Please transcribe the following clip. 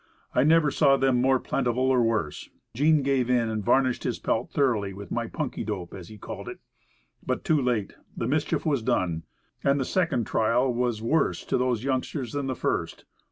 I never saw them more plenty or worse. Jean gave in, and varnished his pelt thoroughly with my "punkie dope," as he called Pillows, 1 5 it; but, too late; the mischief was done. And the second trial was worse to those youngsters than the first.